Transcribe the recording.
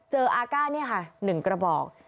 เจออากาศนี่ค่ะ๑กระบอง